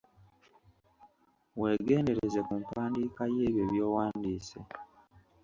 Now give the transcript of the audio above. Weegendereze ku mpandiika y’ebyo by’owandiise.